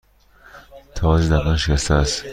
تاج دندان شکسته است.